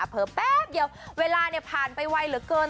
แป๊บเดียวเวลาผ่านไปไวเหลือเกิน